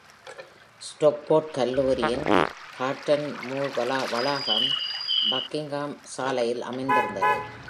Stockport கல்லூரியின் Heaton Moor வளாகம் Buckingham சாலையில் அமைந்திருந்தது.